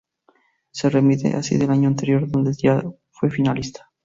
Se redime así del año anterior dónde ya fue finalista.